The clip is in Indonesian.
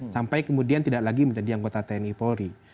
sampai kemudian tidak lagi menjadi anggota tni polri